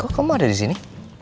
kok kamu ada disini